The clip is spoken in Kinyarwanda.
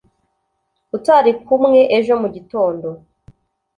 utari kumwe ejo mugitondo